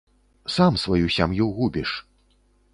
Сам сваю сям'ю губіш.